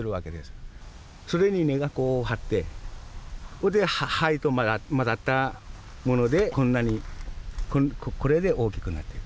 それに根が張ってそれで灰と混ざったものでこんなにこれで大きくなってる。